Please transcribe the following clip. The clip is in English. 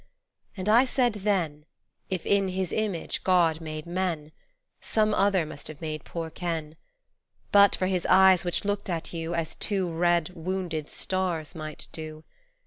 And I said then If in His image God made men, Some other must have made poor Ken But for his eyes which looked at you As two red, wounded stars might do.